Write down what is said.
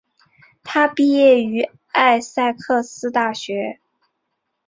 他毕业于艾塞克斯大学。